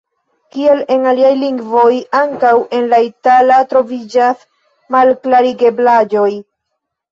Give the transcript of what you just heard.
Kiel en aliaj lingvoj, ankaŭ en la itala troviĝas malklarigeblaĵoj.